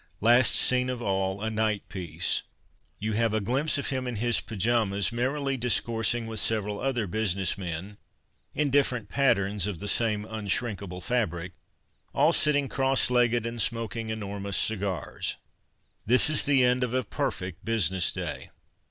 Last scene of all, a night piece, you have a glimpse of him in his pyjamas merrily discoursing with several other business men (in different patterns of the same unshrinkal)lc fabric) all sitting cross legged and smoking enormous cigars. This is the end of a perfect business day.